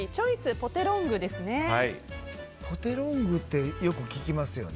ポテロングってよく聞きますよね。